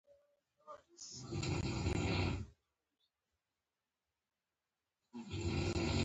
هیڅوک به مې یاد نه کړي